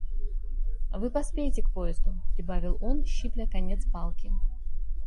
Вы поспеете к поезду,— прибавил он, щипля конец палки.